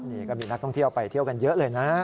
นี่ก็มีนักท่องเที่ยวไปเที่ยวกันเยอะเลยนะ